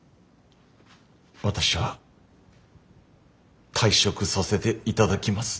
私は退職させていただきます。